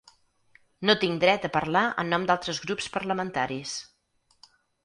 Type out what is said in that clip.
No tinc dret a parlar en nom d'altres grups parlamentaris.